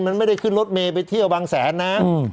มันไม่ได้ขึ้นรถเมย์ไปเที่ยวบางแสนนะ